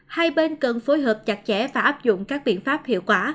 hai bên cần phối hợp chặt chẽ và áp dụng các biện pháp hiệu quả